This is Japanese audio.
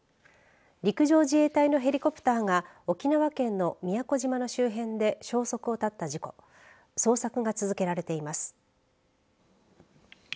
陸上自衛隊のヘリコプターが沖縄県の宮古島の周辺で消息を絶った事故捜索が続けられています。